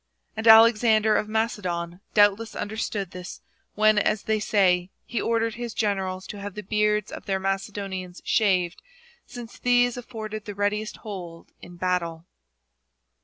And Alexander of Macedon doubtless understood this when, as they say, he ordered his generals to have the beards of their Macedonians shaved, since these afforded the readiest hold in battle.